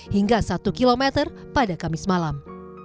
hingga satu km pada kamis malam